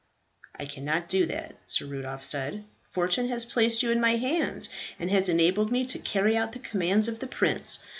"I cannot do that," Sir Rudolph said. "Fortune has placed you in my hands, and has enabled me to carry out the commands of the prince.